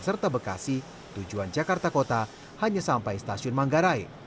serta bekasi tujuan jakarta kota hanya sampai stasiun manggarai